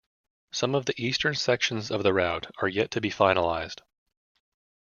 Some of the eastern sections of the route are yet to be finalised.